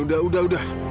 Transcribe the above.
udah deh udah udah